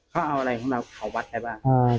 เขาเอาอะไรมาของวัดไหนบ้าง